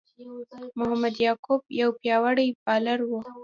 محمد یعقوب یو پياوړی بالر وو.